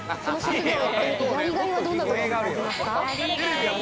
やりがいはどんなところにありますか？